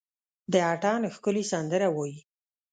د اټن ښکلي سندره وايي،